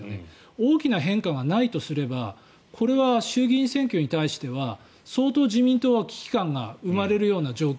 大きな変化がないとすればこれは衆議院選挙に対しては相当、自民党は危機感が生まれるような状況。